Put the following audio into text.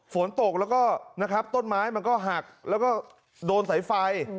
ฝนตกแล้วก็นะครับต้นไม้มันก็หักแล้วก็โดนสายไฟ